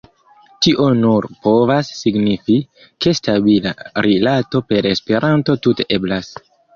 Tio nur povas signifi, ke stabila rilato per Esperanto tute eblas.